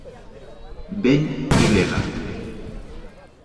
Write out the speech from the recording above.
Vent i vela.